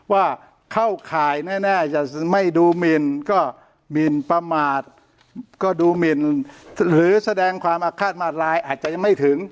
ว่าเข้าข่ายแน่จะไม่ดูหมินก็หมินประมาทก็ดูหมินหรือแสดงความอาฆาตมาตรายอาจจะยังไม่ถึง